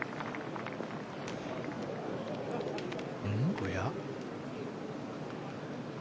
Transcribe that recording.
おや？